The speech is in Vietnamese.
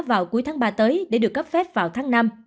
vào cuối tháng ba tới để được cấp phép vào tháng năm